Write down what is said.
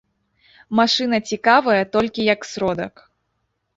Машына цікавая толькі як сродак.